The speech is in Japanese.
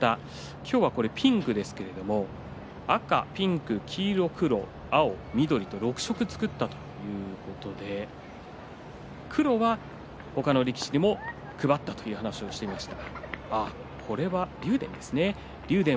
今日はピンクですけれども赤、ピンク、黄色、黒、青、緑黒、６色作ったということで黒は他の力士にも配ったという話をしていました。